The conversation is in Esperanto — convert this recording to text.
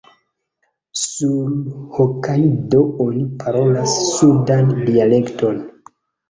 Sur Hokajdo oni parolas sudan dialekton.